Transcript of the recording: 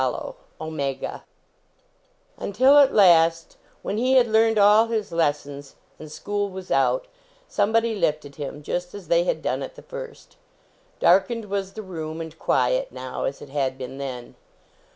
123 OMEGA NTILat last, when he had learned all his lessons and school was out, somebody lifted him, just as they had done at the first. Darkened was the room, and quiet; now, as it had been then.